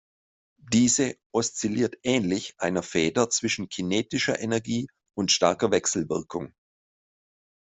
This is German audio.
Diese oszilliert ähnlich einer Feder zwischen kinetischer Energie und starker Wechselwirkung.